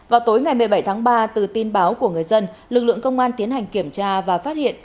vào tối ngày một mươi bảy tháng ba từ tin báo của người dân lực lượng công an tiến hành kiểm tra và phát hiện